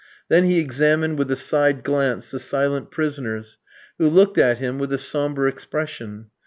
Then he examined with a side glance the silent prisoners, who looked at him with a sombre expression.